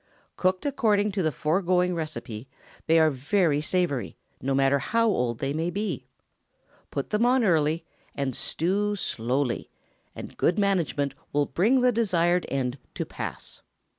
Cooked according to the foregoing receipt they are very savory, no matter how old they may be. Put them on early, and stew slowly, and good management will bring the desired end to pass.